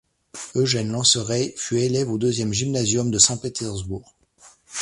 Eugène Lanceray fut élève au deuxième gymnasium de Saint-Pétersbourg.